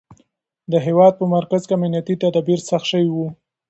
د هېواد په مرکز کې امنیتي تدابیر سخت شوي وو.